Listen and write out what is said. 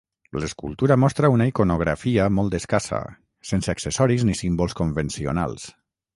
L'escultura mostra una iconografia molt escassa, sense accessoris ni símbols convencionals.